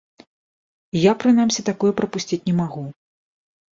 Я, прынамсі, такое прапусціць не магу.